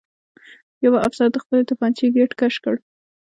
یوه افسر د خپلې توپانچې ګېټ کش کړ